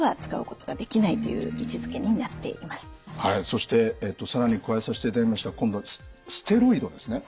そして更に加えさせていただきました今度はステロイドですね。